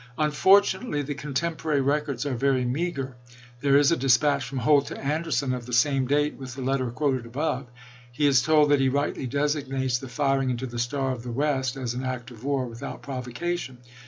Unfortu nately the contemporary records are very meager. There is a dispatch from Holt to Anderson of the same date with the letter quoted above. He is told that he rightly designates the firing into the Star of the West as an " act of war," without prov ocation.